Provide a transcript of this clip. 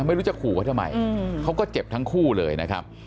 ไม่รู้จะขู่เขาทำไมเขาก็เจ็บทั้งคู่เลยนะครับ